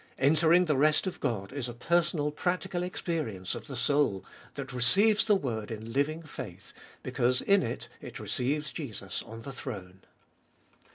Entering the rest of God is a personal practical experience of the soul that receives the word in living faith, because in it it receives Jesus on the throne.